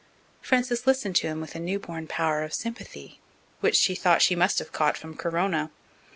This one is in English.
Frances listened to him with a new born power of sympathy, which she thought she must have caught from Corona.